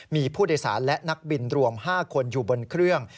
มีผู้โดยสารและนักบินรวม๕คนอยู่บนเครื่อง